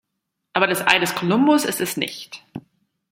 Aber das Ei des Kolumbus ist es nicht!